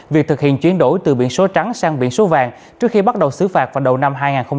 việc thực hiện chuyển đổi từ biển số trắng sang biển số vàng trước khi bắt đầu xứ phạt vào đầu năm hai nghìn hai mươi